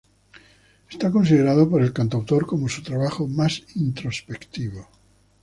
Es considerado por el cantautor como su trabajo más introspectivo.